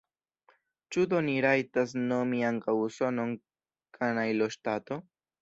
Ĉu do ni rajtas nomi ankaŭ Usonon kanajloŝtato?